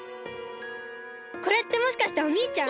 これってもしかしておにいちゃん？